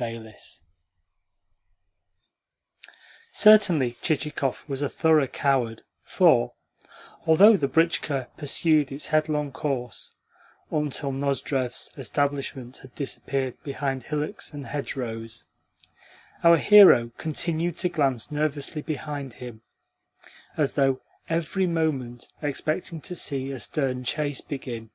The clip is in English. CHAPTER V Certainly Chichikov was a thorough coward, for, although the britchka pursued its headlong course until Nozdrev's establishment had disappeared behind hillocks and hedgerows, our hero continued to glance nervously behind him, as though every moment expecting to see a stern chase begin.